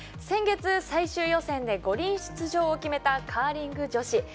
先月最終予選で五輪出場を決めたカーリング女子。